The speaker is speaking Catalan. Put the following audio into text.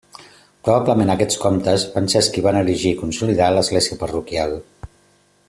Probablement aquests comtes van ser els qui van erigir i consolidar l'església parroquial.